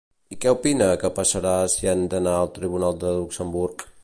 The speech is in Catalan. I què opina que passarà si han d'anar al tribunal de Luxemburg?